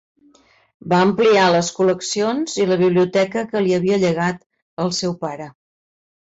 Va ampliar les col·leccions i la biblioteca que li havia llegat el seu pare.